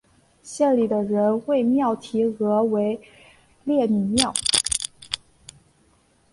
县里的人为庙题额为烈女庙。